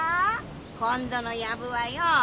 今度のヤブはよ